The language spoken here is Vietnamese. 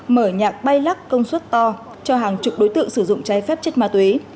mở nhạc bay lắc công suất to cho hàng chục đối tượng sử dụng trái phép chất ma túy